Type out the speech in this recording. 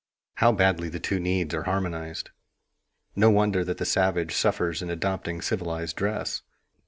How badly the two needs are harmonized! No wonder that the savage suffers in adopting civilized dress.